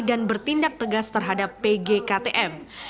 dan bertindak tegas terhadap pgktm